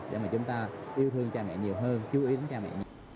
để mà chúng ta yêu thương cha mẹ nhiều hơn chú ý đến cha mẹ